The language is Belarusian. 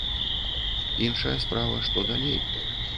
Іншая справа, што далей?